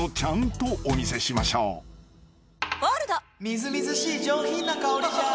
「みずみずしい上品な香りじゃ。